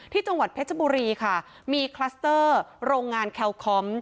ที่จังหวัดเพชรบุรีค่ะมีคลัสเตอร์โรงงานแคลคอม